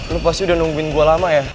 lu pasti udah nungguin gue lama ya